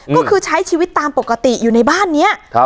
ก็คือใช้ชีวิตตามปกติอยู่ในบ้านนี้